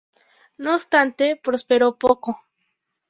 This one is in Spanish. No obstante, prosperó poco.